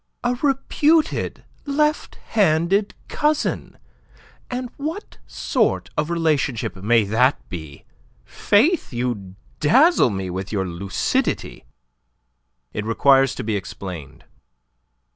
"A reputed left handed cousin! And what sort of relationship may that be? Faith, you dazzle me with your lucidity." "It requires to be explained."